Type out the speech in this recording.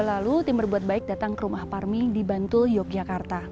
pada juli dua ribu dua puluh dua lalu tim berbuat baik datang ke rumah parmi di bantul yogyakarta